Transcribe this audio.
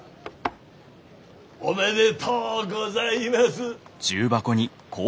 おめでとうございます。